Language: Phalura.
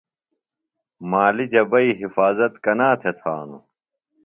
مالی جبئی حِفاظت کنا تھےۡ تھانوۡ ؟